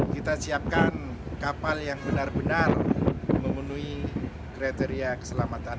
kita siapkan kapal yang benar benar memenuhi kriteria keselamatan